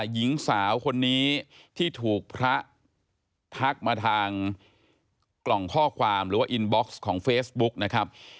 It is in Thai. หญิงสาวคนนี้ที่ถูกพระทักมาทางกล่องข้อความหรือว่าอินบ็อกซ์ของเฟซบุ๊กนะครับ